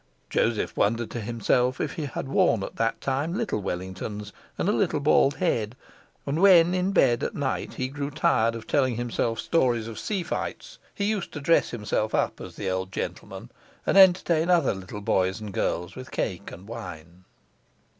Joseph wondered to himself if he had worn at that time little Wellingtons and a little bald head, and when, in bed at night, he grew tired of telling himself stories of sea fights, he used to dress himself up as the old gentleman, and entertain other little boys and girls with cake and wine.